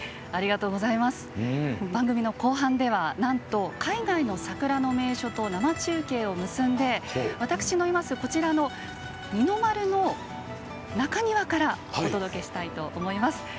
番組の後半ではなんと海外の桜の名所と生中継を結んで私もいます、こちらの二の丸の中庭からお届けしたいと思います。